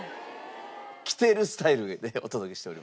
来てるスタイルでお届けしております。